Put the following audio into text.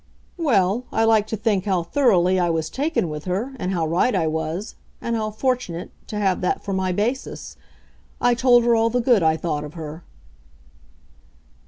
"Well, I like to think how thoroughly I was taken with her, and how right I was, and how fortunate, to have that for my basis. I told her all the good I thought of her."